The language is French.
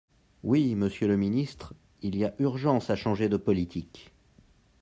Oui, monsieur le ministre, il y a urgence à changer de politique.